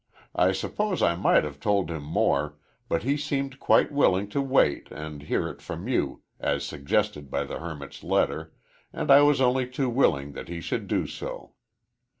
I suppose I might have told him more, but he seemed quite willing to wait and hear it from you, as suggested by the hermit's letter, and I was only too willing that he should do so.